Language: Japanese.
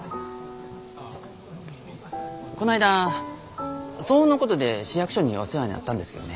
こないだ騒音のことで市役所にお世話になったんですけどね。